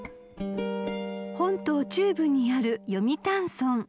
［本島中部にある読谷村］